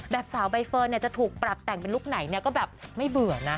แบบสาวใบเฟิร์นจะถูกปรับแต่งเป็นลุคไหนก็แบบไม่เบื่อนะ